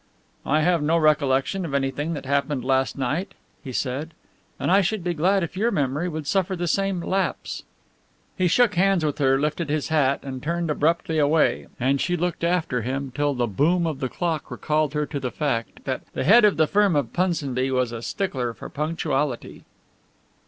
"I have no recollection of anything that happened last night," he said, "and I should be glad if your memory would suffer the same lapse." He shook hands with her, lifted his hat and turned abruptly away, and she looked after him till the boom of the clock recalled her to the fact that the head of the firm of Punsonby was a stickler for punctuality.